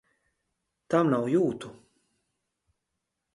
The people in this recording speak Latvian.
Tam nav jūtu!